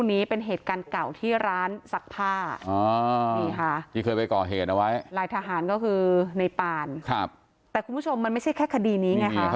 อ๋อนี่ค่ะที่เคยไปก่อเหตุเอาไว้หลายทหารก็คือในป่านครับแต่คุณผู้ชมมันไม่ใช่แค่คดีนี้ไงค่ะ